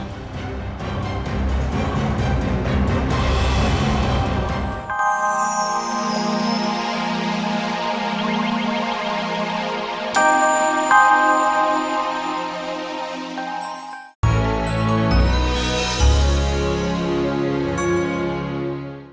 aku sanggup menanggung kutukan itu